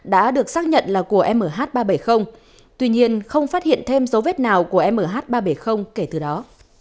đã được xác nhận là của mh ba trăm bảy mươi tuy nhiên không phát hiện thêm dấu vết nào của mh ba trăm bảy mươi kể từ đó